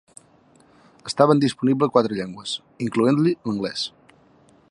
Estaven disponibles quatre llengües, incloent-hi l'anglès.